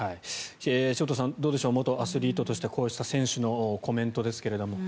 潮田さん、どうでしょう元アスリートとしてこうした選手のコメントですが。